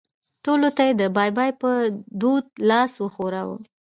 ټولو ته یې د بای بای په دود لاس وښوراوه.